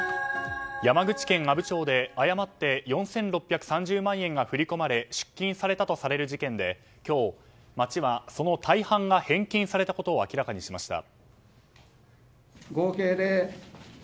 山口県阿武町で誤って４６３０万円が振り込まれ出金されたとされる事件で今日、町はその大半が返金されたことを明らかにしました。